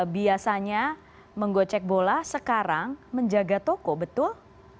biasanya menggocek bola sekarang menjaga toko betul